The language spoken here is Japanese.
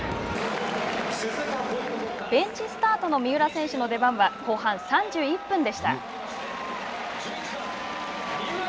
ベンチスタートの三浦選手の出番は後半３１分でした。